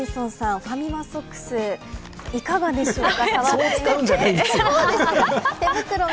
ファミマソックスいかがでしょうか